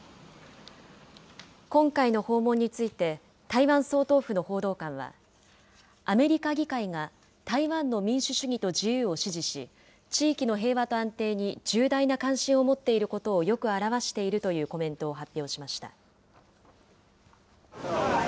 今回の訪問について、台湾総統府の報道官は、アメリカ議会が台湾の民主主義と自由を支持し、地域の平和と安定に重大な関心を持っていることをよく表しているというコメントを発表しました。